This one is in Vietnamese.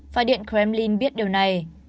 phát điện kremlin biết điều này